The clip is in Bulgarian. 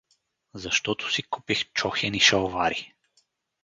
«Защото си купих чохени шалвари».